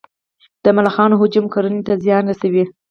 د ملخانو هجوم کرنې ته زیان رسوي؟